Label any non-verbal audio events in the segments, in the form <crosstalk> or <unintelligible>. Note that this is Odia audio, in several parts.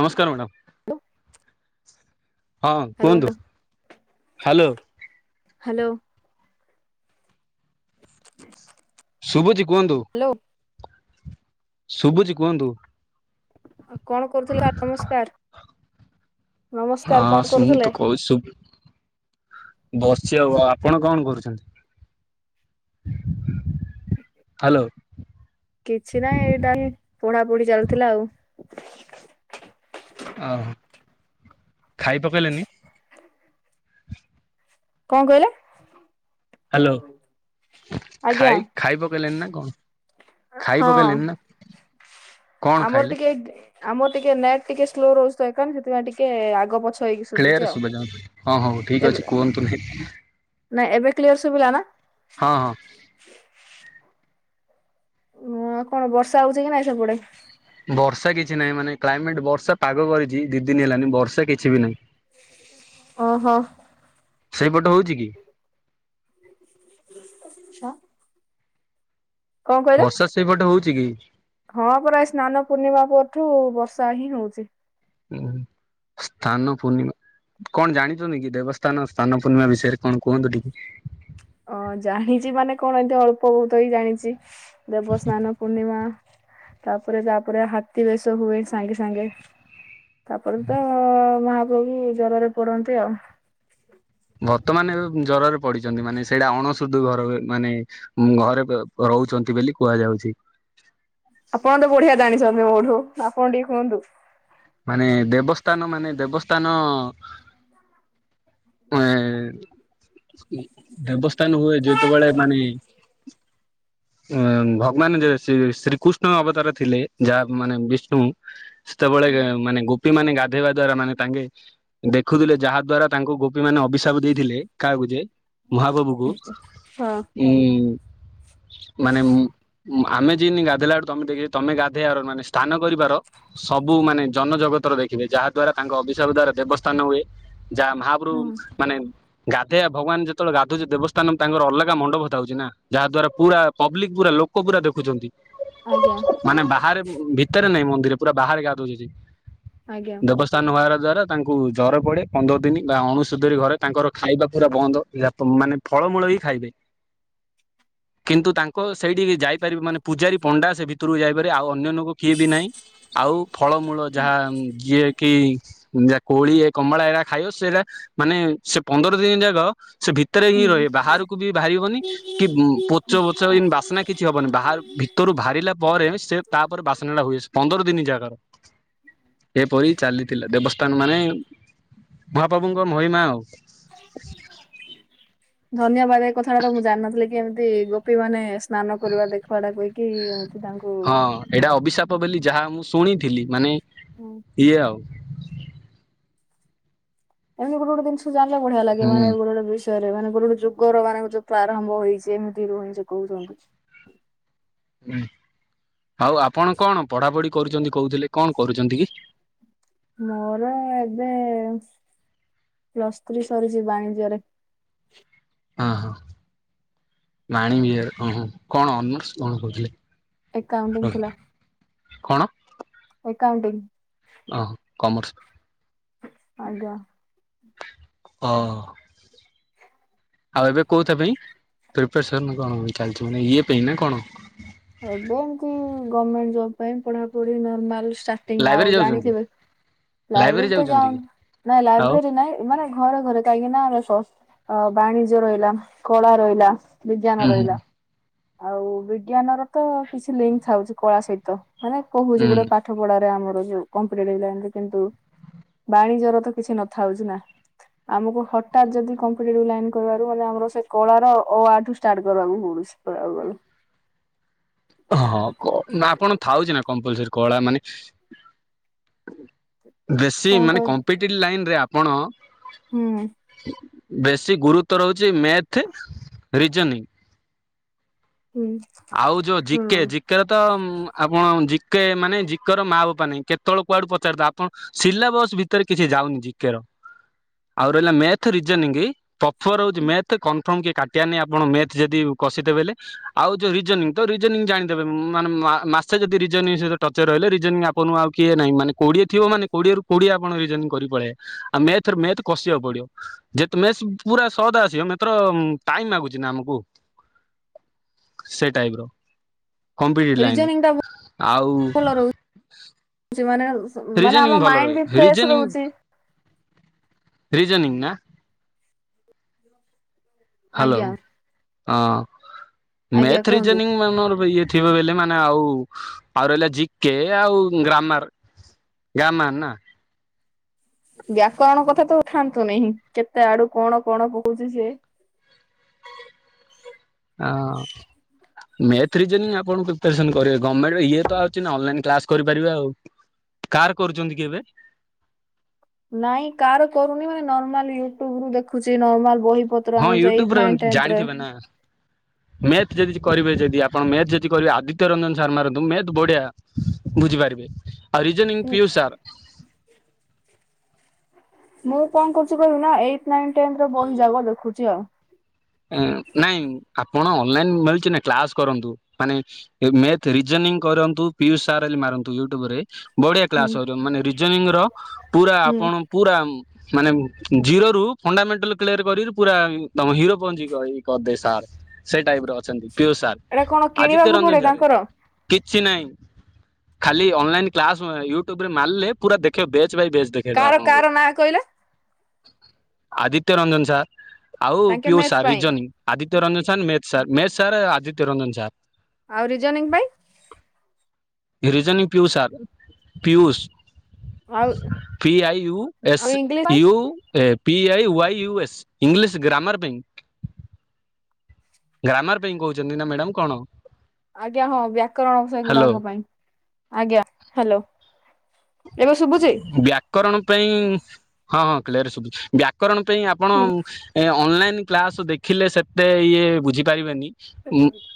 ନମସ୍କାର ମ୍ୟାଡ଼ାମ। ହଁ ହ୍ୟାଲୋ କୁହନ୍ତୁ ହାଲୋ। ହ୍ୟାଲୋ ଶୁଭୁଛି କୁହନ୍ତୁ ଶୁଭୁଛି କୁହନ୍ତୁ। କଣ କରୁଥିଲା? ନମସ୍କାର। ନମସ୍କାର କଣ ହଁ ମୁଁ ତ କରୁଥିଲେ? ବସିଚି ଆଉ। ଆପଣ କଣ କରୁଚନ୍ତି? ହାଲୋ। କିଛି ନାଇଁ ଏଇଟା ପଢାପଢି ଚାଲୁଥିଲା ଆଉ। ଓହୋ ଖାଇ ପକେଇଲେନି। କଣ କହିଲେ? ହାଲୋ ଆଜ୍ଞା। ଖାଇ ଖାଇ ପକେଇଲେନି ନା କଣ? ଖାଇ ହଁ ପକେଇଲେଣି ନା। କଣ ଆମର ଖାଇଲେ ଟିକେ ଆମର ଟିକେ ନେଟ୍ ଟିକେ ସ୍ଲୋ ରହୁଛି କଣ ସେଥିପାଇଁ ଟିକେ ଆଗ ପଛ ହେଇକି ଶୁଭୁଛି କ୍ଳିୟରେ ଆଉ। ଶୁଭ ଯାଆନ୍ତୁ ହଁ ହଉ ଠିକ ଏବେ ଅଛି କୁହନ୍ତୁ ନି। ନାଇଁ ଏବେ କ୍ଲିୟର ଶୁଭିଲା ନା? ହଁ ହଁ। ହଁ କଣ ବର୍ଷା ହଉଛି କି ନାଇଁ ସେପଟେ? ବର୍ଷା କିଛି ନାହିଁ ମାନେ କ୍ଲାଇମେଟ ବର୍ଷା ପାଗ କରିଚି ଦି ଦିନି ହେଲାନି ବର୍ଷା କିଛି ବି ନାହିଁ। ଓହୋ। ସେଇପଟେ ହଉଚି କି? ଆଚ୍ଛା। ବର୍ଷା ସେଇପଟେ ହଉଚି କି? ହଁ ପୁରା ଏ ସ୍ନାନ ପୂର୍ଣ୍ଣିମା ପରଠୁ ବର୍ଷା ହିଁ ହଉଚି। ହୁଁ ସ୍ଥାନ ପୂର୍ଣ୍ଣିମା। କଣ ଜାଣିଛନ୍ତି କି ଦେବସ୍ଥାନ ସ୍ଥାନ ପୂର୍ଣ୍ଣିମା ବିଷୟରେ କଣ କୁହନ୍ତୁ ଟିକେ? ଅ ଜାଣିଛି ମାନେ କଣ ଏତି ଅଳ୍ପ ବହୁତ ହେଇ ଜାଣିଛି ଦେବସ୍ନାନ ପୂର୍ଣ୍ଣିମା ତାପରେ ତାପରେ ହାତୀ ବେଶ ହୁଏ ସାଙ୍ଗେ ସାଙ୍ଗେ। ତାପରେ ତ ମହାପ୍ରଭୁ ଜରରେ ପଡନ୍ତି ଆଉ। ବର୍ତ୍ତମାନ ଏବେ ଜରରେ ପଡିଛନ୍ତି ମାନେ ସେଇଟା ଅଣ ସୁୁଧୁ ଘର ମାନେ ଘରେ ରହୁଛନ୍ତି ବୋଲି କୁହାଯାଉଚି। ଆପଣ ତ ବଢିଆ ଜାଣିଛନ୍ତି ତମେ ବଢୁ ଆପଣ ଟିକେ କୁହନ୍ତୁ। ମାନେ ଦେବସ୍ନାନ ମାନେ ଦେବସ୍ନାନ <inaudible> ଦେବସ୍ନାନ ହୁଏ ଯେତେବେଳେ ମାନେ ଉ ଭଗବାନ ଯେ ଶ୍ରୀକୃଷ୍ଣ ଅବତାର ଥିଲେ ଯାହା ମାନେ ବିଷ୍ଣୁ ସେତେବେଳେ ମାନେ ଗୋ ଗୋପୀ ମାନେ ଗାଧେଇବା ଦ୍ଵାରା ମାନେ ତାଙ୍କେ ଦେଖୁଥିଲେ ଯାହା ଦ୍ଵାରା ତାଙ୍କୁ ଗୋପୀ ମାନେ ଅଭିଶାପ ଦେଇଥିଲେ କାହାକୁ ଯେ ମହା ବାବୁକୁ ହଁ। ଉଁ ମାନେ ଆମେ ଯିନ ଗାଧେଇଲା ବେୁ ତମେ ଦେଖ ତମେ ଗାଧେଇବାର ମାନେ ସ୍ଥାନ କରିବାର ସବୁ ମାନେ ଜନ ଜଗତର ଦେଖିବେ ଯାହା ଦ୍ଵାରା ତାଙ୍କ ଅଭିଶାପ ଦ୍ଵାରା ଦେବସ୍ଥାନ ହୁଏ। ଯାହା ମାହାପ୍ରଭୁ ହଁ ମାନେ ଗାଧେଇବା ଭଗବାନ ଯେତବେଳେ ଗାଧୁଛି ଦେବସ୍ଥାନ ତାଙ୍କର ଅଲଗା ମଣ୍ଡପଥାଉଛି ନା ଯାହା ଦ୍ଵାରା ପୁରା ପବ୍ଲିକ ପୁରା ଲୋକ ପୁରା ଦେଖୁଛନ୍ତି ଆଜ୍ଞା ମାନେ ବାହାରେ। ଭିତରେ ନାଇଁ ମନ୍ଦିରେ ପୁରା ବାହାରେ ଗାଧଉଛନ୍ତି ଆଜ୍ଞା ଦେବସ୍ଥାନ ହବା ଦ୍ଵାରା ତାଙ୍କୁ ଜରେ ପଡ଼େ ପନ୍ଦର ଦିନ ବା ଅଣୁସୁତୁରି ଘରେ ତାଙ୍କର ଖାଇବା ପୁରା ବନ୍ଦ ଯ ମାନେ ଫଳମୂଳ ବି ଖାଇବେ କିନ୍ତୁ ତାଙ୍କ ସେଇଠିକି ଯାଇପାରିବି ମାନେ ପୂଜାରୀ ପଣ୍ଡା ସେ ଭିତରକୁ ଯାଇପାରି ଆଉ ଅ ଅନ୍ୟ ନୋକ କିଏ ବି ନାହିଁ ଆଉ ଫଳମୂଳ ଯାହା ଯିଏ କି ଯା କୋଳି ଏ କମଳା ଏଟା ଖାଇଅ ସେଇଟା ମାନେ ସେ ପନ୍ଦର ଦିନ ଯାକ ସେ ଭିତରେ ହିଁ ହୁଁ ରହିବେ ବାହାରକୁ ବି ବାହାରିବନି କି ପୋଚ ବାସ୍ନା କିଛି ହବନି ବା ଭିତରୁ ବାହାରିଲା ପରେ ସେ ତାପରେ ବାସ୍ନାଟା ହୁଏ। ପନ୍ଦର ଦିନ ଜାଗାର ଏପରି ଚାଲିଥିଲା ଦେବସ୍ ତ ମାନେ ମହାପ୍ରଭୁଙ୍କ ମହିମା ଆଉ। ଧନ୍ୟବାଦ ଏ କଥାଟା ତ ମୁଁ ଜାଣିନଥିଲି କି ଏମିତି ଗୋପୀ ମାନେ ସା ସ୍ନାନ କରିବା ଦେଖବା ଟା କହିକି ହଉଛି ତାଙ୍କୁ ହଁ ଏଇଟା ଅଭିଶାପ ବୋଲି ଯାହା ମୁଁ ଶୁଣିଥିଲି ମାନେ ଇଏ ଆଉ। ଏମତି ଗୋଟେ ଗୋଟେ ଜିନଷ ଜାଣିଲେ ବଢ଼ିଆ ଲାଗେ ମାନେ ହୁଁ। ଗୋଟେ ଗୋ ବି ମାନେ ଗୋଟେ ଗୋଟେ ଯୁଗର ମାନେ ଯୋୁ ଆରମ୍ଭ ହେଇଛି ଏମିତି ରୁହ କହୁଥ କିଛି। ହୁଁ ଆଉ ଆପଣ କଣ ପଢ଼ାପଢ଼ି କରୁଛନ୍ତି କହୁଥିଲେ କଣ କରୁଛନ୍ତି କି? ମୋର ଏବେ ପ୍ଲସ୍ ଥ୍ରୀ ସରିଛି ବାଣିଜ୍ୟରେ। ହ ହଁ ମାଣ ବିହାର ହ କଣ ଅନର୍ସ କଣ କରୁଥିଲେ? ଏକଉଣ୍ଟିଂ ଥିଲା। କଣ? ଏକାଉଁଟିଙ୍ଗ ଓ କମର୍ସ। ଆଜ୍ଞା। ଓହୋ। ଆଉ ଏବେ କୋଉଥି ପାଇଁ ପ୍ରିପସନ କଣ ଚାଲିଛି ମାନେ ଇଏ ପାଇଁ ନା କଣ? ଏବେ ଏମତି ଗଭର୍ମେଣ୍ଟ ଜବ ପାଇଁ ପଢ଼ାପଢ଼ି ନମାଲ ଚାଟିଙ୍ଗ ଲାଇବ୍ରେରୀ ଆଉ ଯାଉଛନ୍ତି ଜାଣିଥିବେ। ଲାଇବ୍ରେରୀ ତ ଯାଉଛନ୍ତି ଯାଉ କି? ନାଇଁ ଆଉ ଲାଇବ୍ରେରୀ ନାଇଁ ମାନେ ଘରେ ଘରେ କାହିଁକି ନା ଅ ବାଣିଜ୍ୟ ରହିଲା କଳା ରହିଲା ବିଜ୍ଞାନ ହୁଁ ହୁଁ ରହିଲା। ଆଉ ବିଜ୍ଞାନର ତ କିଛି ଲିଙ୍କ ଥାଉଛି କଳା ସହିତ। ମାନେ କହୁଛି ହୁଁ ଗୋଟେ ପାଠ ପଢ଼ାରେ ଆମର ଯୋ କମ୍ପିଟେଟିଭ ଲାଇନରେ କିନ୍ତୁ ବାଣିଜର ତ କିଛି ନଥାଉଛି ନା। ଆମକୁ ହଠତ୍ ଯଦି କମ୍ପିେଟିଭ ଲାଇନ କରିବାରୁ ମାନେ ଆମର ସେ କଳାର ଅ ଆ ଠୁ ଷ୍ଟାଟ କରିବା କୁ ପଡ଼ିବ ହଁ କ ନାଁ ଆପଣ ଥାଉଚ ନା କମ୍ପଲସର କଳା ମାନେ ବେଶୀ କଣ ମାନେ କହ କମ୍ପିଟେଟିଭ୍ ଲାଇନ୍ ରେ ଆପଣ ହୁଁ। ବେଶୀ ଗୁରୁତର ହଉଛି ମ୍ୟାଥ ରିଜନିଂ। ହୁଁ। ଆଉ ଯୋଉ ହୁଁ ଜିକେ ଜିକେର ତ ଆପଣ ଜି ଜିକ ମାନେ ଜିକେର ମା ବାପା ନାଇଁ କେତେବେଳେ କୁଆଡୁ ପଚାରି ଦେବ ଆପଣ ସିଲା ବସ ଭିତରେ କିଛି ଯାଉନି ଜିକେର ଆଉ ରହିଲା ମେଥ ରିଜନିଙ୍ଗ। ପ୍ରଫର ହଉଛି ମଥ କନଫର୍ମ କେହି କାଟିବାର ନାହିଁ ଆପଣ ମେଥ ଯଦି କସିଥେବେଲେ ଆଉ ରିଜନି ତ ରିଜନିଂ ଜାଣିଦେବେ ମାନେ ମାସେ ଯଦି ରିଜନି ସହିତ ଟଚରେ ରହିଲେ ରିଜନି ଆଣଙ୍କୁ ଆଉ କିଏ? ନାଇଁ ମାନେ କୋଡିଏ ଥିବ ମାନେ କୋଡିଏ ରୁ କୋଡିଏ ଆପଣ ରିଯୋନିଙ୍ଗ କରି ପଳେଇବେ ଆଉ ମେଥ ମେଥ କସିବାକୁ ପଡିବ। ମେଷ ପୁରା ସହଦ ଆସିବ ମାତ୍ର ଟାଇମ ଲା ଗୁଛି ନା ଆମକୁ। <inaudible> ସେ ଟାଇପ ର। କମ୍ପଟି ଲାଇନ୍ ରିଜନିଂ ଟା ଆଉ ଭଲ ରହୁଛି ମାନେ ମାନେ ରିଜନି ଆମ ଭଲ ମାଇଣ୍ଡ ବି ରହ ଫ୍ରେଶ ରହୁଛି। ରିଜୋନିଙ୍ଗ ରିଜନିଙ୍ଗ ନା। ହ୍ୟାଲୋ ଆଜ୍ଞା। ହଁ ଆଜ୍ଞା ମେଥ କୁହନ୍ତୁ। ରିଜନିଂ <unintelligible> ଥିବ ବେଲେ ମାନେ ଆଉ ଆଉ ରହିଲା ଜିକେ ଆଉ ଗ୍ରାମାର ଗ୍ରାମାର ନା? ବ୍ୟାକରଣ କଥା ତ ଉଠାନ୍ତୁ ନେହିଁ କେତେ ଆଡୁ କଣ କଣ କହୁଛି ସେ। <inaudible> ହଁ। ମେଥ ରିଜନିଙ୍ଗ ଆପଣ ପ୍ରିପାରସନ କରିବେ ଗମେଣ୍ଟ ଇଏ ତ ଆଛି ଅନାଇ କ୍ଲାସ କରିପାରିବେ ଆଉ। କାହାର କରୁଛନ୍ତି କି ଏବେ? ନାଇଁ କାହାର କରୁନି ମାନେ ନର୍ମାଲ ୟୁଟ୍ୟୁବ ରୁ ଦେଖୁଛି ନର୍ମାଲ ବହି ପତ୍ର ହଁ ଆମ ଏଇଟ୍ ୟୁଟ୍ୟୁବରେ ନାଇନ୍ ଟେନ୍ଥରେ ଜାଣିଥିବେ ନା ମେଥ ଯଦି କରିବେ ଯଦି ଆପଣ ମେଥ ଯଦି କରିବେ ଆଦିତ୍ୟ ରଞ୍ଜନ ସାର୍ ମାରନ୍ତୁ ମେଥ ବଢିଆ ବୁଝିପାରିବେ। ଆଉ ରିଜନିଙ୍ଗ ପିୟୁଷ ସାର୍। ମୁଁ କଣ କରୁଛି କହିବି ନା ଏଇଟ ନାଇନ ଟେନ୍ ର ବହି ଯାକ ଦେଖୁଛି ଆଉ। ନାଇଁ ଆପଣ ଅନଲାଇନ ମିଳୁଛି ନା କ୍ଲାସ କରନ୍ତୁ ମାନେ ମେଥ ରିଜନିଗ୍। ନିଙ୍ଗ କରନ୍ତୁ ପିୟୁଷ ସାର୍ ବଲି ମାରନ୍ତୁ ୟୁଟ୍ୟୁବ ରେ। ବଢିଆ ହୁଁ। କ୍ଲାସ ମାନେ ରଜନି ର ପୁରା ହୁଁ। ଆପଣ ପୁରା। ମାନେ ଜିରୋ ରୁ ଫଣ୍ଡାମେଣ୍ଟାଲ କ୍ଲିଅର କରି ପୁରା ତମ କୁ ହିରୋ ପହଞ୍ଚିକଇ କରିଦେ ସାର୍ ସେ ଟାଇପର ଅଛନ୍ତି। ପିୟୁଷ ସାର୍ ଏଇଟା କଣ ଆଦିତ୍ୟ କିଣିବାକୁ ରଞ୍ଜନ ପଡେ ସାର କି ତାଙ୍କର କିଛି ନାଇଁ ଖାଲି ଅନଲାଇନ୍ କ୍ଲାସ ୟୁଟ୍ୟୁବ ରେ ମାରିଲେ ପୁରା ଦେଖୀ ବ ବେ ସ ବାଇ ବେସ ଦେଖେଇଦବ କାର ଆପଣଙ୍କୁ। କାର ନାଁ କହିଲା ଆଦିତ୍ୟ ରଞ୍ଜନ ସାର୍ ଆଉ ତାଙ୍କେ ପିୟୁଷ ମ୍ୟାଥ ସାର୍ ପାଇଁ reasoning Aditya Ranjan sir math sir math sir Aditya Ranjan sir. ଆଉ ରିଜନିଂ ପାଇଁ? ରିଜନିଙ୍ଗ ପିୟୁଷ ସାର୍ ଆଉ ପିୟୁଷ ପି ଆଇୟୁ ଏସ୍ ଆଉ ଇଂଲିଶ ପାଇଁ U A P I Y U S. English grammar ପାଇଁ ଗ୍ରାମାର ପାଇଁ କହୁଛନ୍ତି ନା ମ୍ୟାଡାମ କଣ? ଆଜ୍ଞା ହଁ ବ୍ୟାକରଣ ସେ ହ୍ୟାଲୋ ଗୁଡାକ ପାଇଁ ଆଜ୍ଞା ହ୍ୟାଲୋ। ଏବେ ଶୁଭୁଛି? ବ୍ୟାକରଣ ପାଇଁ ହଁ ହଁ କ୍ଲେଅର ଶୁଭୁଚି ବ୍ୟାକରଣ ପାଇଁ ଆପଣ ହୁଁ ଅନଲାଇନ କ୍ଲାସ ଦେଖିଲେ ସେତେ ଇଏ ବୁଝିପାରିବେନି।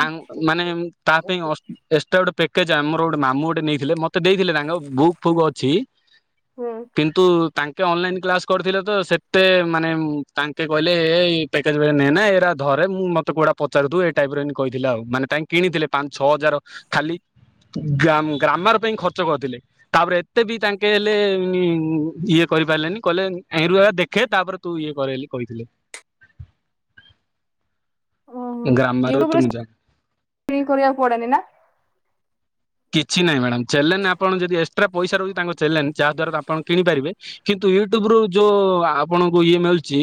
ଆମ ମାନେ ତା ପାଇଁ ଅସ୍ ଏକ୍ସଟ୍ରା ଗୋଟେ ପେକ୍ କେଜ୍ ଆମର ଗୋଟେ ମାମୁଁ ଗୋଟେ ନେଇଥିଲେ ମୋତେ ଦେଇଥିଲେ ତାଙ୍କ ବୁକ୍ ଫୁକ୍ ଅଛି। ହୁଁ କିନ୍ତୁ ତାଙ୍କେ ଅନଲାଇନ୍ କ୍ଲାସ କରିଥିଲେ ତ ସେତେ ମାନେ ତାଙ୍କେ କହିଲେ ଏ ପ୍ୟାକେଜ ଗୁଡ଼ା ନେନା ଏରା ଧରେ ମୁଁ ମତେ କଉଟା ପଚାରୁଥିବୁ ଏଇ ଟାଇପରେ ଏ କହିଥିଲା ଆଉ ମାନେ ତାଙ୍କେ କିଣିଥିଲେ ପାଞ୍ଚ ଛଅ ହଜାର ଖାଲି। ଗ୍ରା ଗ୍ରାମାର ପାଇଁ ଖର୍ଚ୍ଚ କରିଥିଲେ। ତାପରେ ଏତେ ବି ତାଙ୍କେ ହେଲେ ଇଏ କରିପାରିଲେନି କହିଲେ ଆଇରୁ ଆ ଦେଖେ ତାପରେ ତୁ ଇଏ କରେ ବଲି କହିଥିଲେ। <inaudible> ଓଁ ହ ଗ୍ରାମାର ଏତେ ୟୁରେ ମୁଁ <unintelligible> ଜାଣିନି। କରିବାଆକୁ ପଡନ୍ତିି ନା! କିଛି ନାହିଁ ମ୍ୟାଡ଼ାମ ଚେଲେନ୍ ଆଣ ଯଦି ଏକ୍ସଟ୍ରା ପଇସା ରହୁଛି, ତାଙ୍କ ଚେଲେନ୍ ଯାହା ଦ୍ୱାରା ଆପଣ କିଣିପାରିବେ କିନ୍ତୁ ୟୁଟ୍ୟୁବ ରୁ ଯୋଉ ଆପଣଙ୍କୁ ଇଏ ମିଳୁଛି,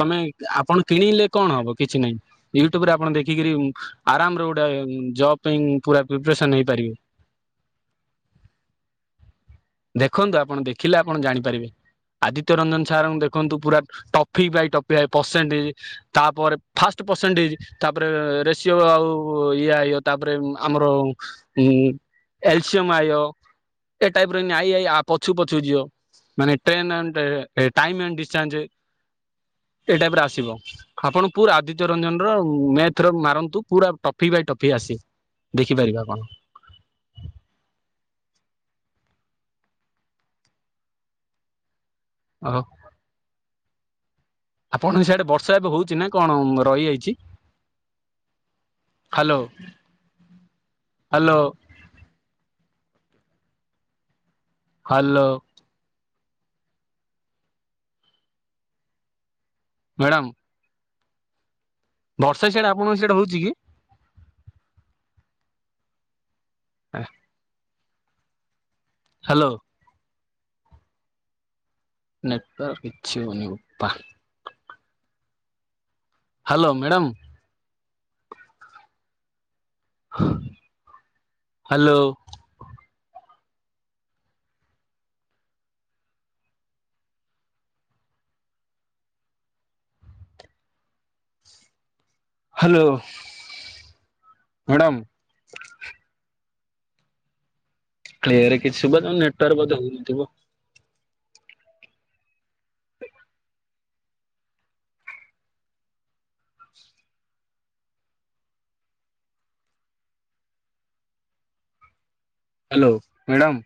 ତମେ ଆପଣ କିଣିଲେ କଣ ହବ କି କିଛି ନାହିଁ। ୟୁଟ୍ୟୁବରେ ଆପଣ ଦେଖିକ ଆରାମ ଗୋଟେ ଜବ ପାଇଁ ପୁର ପ୍ରିପସ ହେଇପାରିବେ ଆ ଦେଖନ୍ତୁ ଆପଣ ଦେଖିଲେ ଆପଣ ଜାଣିପାରିବେ! ଆଦିତ୍ୟ ରଞ୍ଜନ ସାରଙ୍କୁ ଦେଖନ୍ତୁ ପୁରା ଟଫି ବାଇ ଟିସେଣ୍ଟ ତାପରେ ଫା ପସେଣ୍ଟ ହେଇ ତାପରେ ରେସିଓ ଆଉ ଇ ତାପରେ ଆମର ଉ ଏଲସିିୟମ ଆ ଏ ଟାଇପ ର ଆଇ ଆ ପଛୁ ପଛୁ ଯିିବ ମାନେ ଟ୍ରେନ୍ ଟାଇମ୍ ଡିସ୍ଚାର୍ଜ ଏଇ ଟାଇପରେ ଆସିବ ଆପଣ ପୁର ଆଦିତ୍ୟ ରଞ୍ଜନର ମ୍ୟାଥ ର ମାରନ୍ତୁ ପୁରା ଟଫି ବାଇ ଟଫି ଆସେ ଦେଖିପାରିବା କଣ <inaudible> ଓ ହ। ଆପଣଙ୍କ ସେଆଡେ ବର୍ଷା ଏବେ ହଉଛି ନା କଣ ରହିଯାଇଛି? Hello hello! ହ୍ୟାଲୋ! ମ୍ୟାଡ଼ାମ! ବର୍ଷା ସେଇଟା ଆପଣଙ୍କ ସେଇଟା ହଉଛି କି? ହ ହ୍ୟାଲୋ! ନେଟୱର୍କ କିଛି ନାହଁ ପା। Hello madam! Hello! Hello madam! Clear କିଛି ଶୁଭା ଯାଉନି, ନେଟୱର୍କ ବୋଧେ ହଉ ନଥିବ। <inaudible> Hello madam!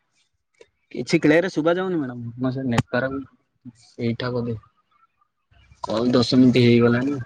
କିଛି କ୍ୟରେ ଶୁଭ ଯାଉନି ମଡ <unintelligible> ଭୁଶ ଏଇଟା ବୋଧେ। କଉ ଦଶ ମିନିତି ହେଇଗଲାଣି